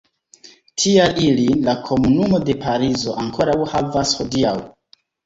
Tial ilin la komunumo de Parizo ankoraŭ havas hodiaŭ.